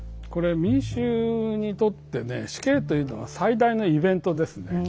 民衆にとって死刑というのは最大のイベントですね。